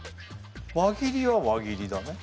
輪切りは輪切りだね。